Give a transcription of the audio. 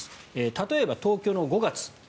例えば、東京の５月。